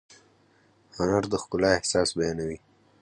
هنر د ښکلا احساس بیانوي.